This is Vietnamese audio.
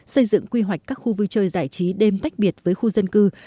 xây dựng quy hoạch các khu vui chơi giải trí đêm tách biệt với khu dân cư